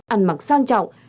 ăn mặc sang trọng